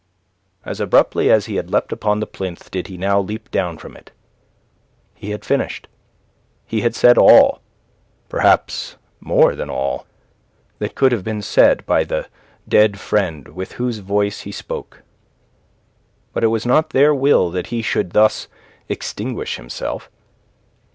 As abruptly as he had leapt upon the plinth did he now leap down from it. He had finished. He had said all perhaps more than all that could have been said by the dead friend with whose voice he spoke. But it was not their will that he should thus extinguish himself.